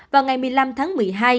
vào ngày một mươi năm tháng một mươi hai